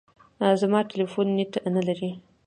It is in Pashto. زما ټلیفون نېټ نه لري .